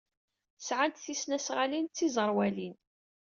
Sɛant tisnasɣalin d tiẓerwalin.